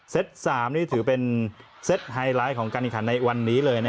เซต๓นี่ถือเป็นเซตไฮไลท์ของกันนิขันในวันนี้เลยนะครับ